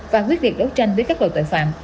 và quyết liệt đấu tranh với các loại tội phạm